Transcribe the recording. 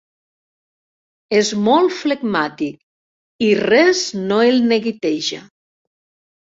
És molt flegmàtic, i res no el neguiteja.